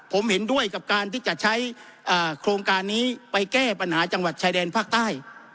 ผมเห็นด้วยกับการที่จะใช้โครงการนี้ไปแก้ปัญหาจังหวัดชายแดนภาคใต้